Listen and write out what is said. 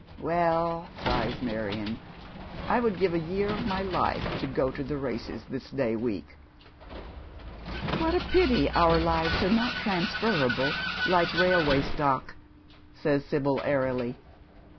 Well," si.o lis Marion, " I would give a year of my life to go to the races this day week." " What a pity our lives are not transferable like railway stock," says Sibyi, airily.